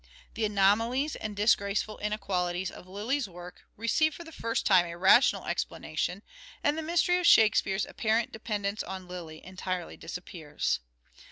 The anomalies and " disgraceful " inequalities of Lyly's work receive for the first time a rational explanation, and the mystery of " Shakespeare's " apparent depen dence upon Lyly entirely disappears.